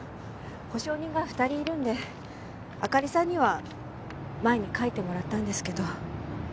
保証人が２人いるので灯さんには前に書いてもらったんですけど。